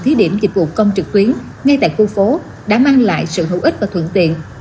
thí điểm dịch vụ công trực tuyến ngay tại khu phố đã mang lại sự hữu ích và thuận tiện